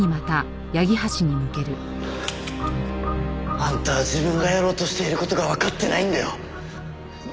あんたは自分がやろうとしている事がわかってないんだよ。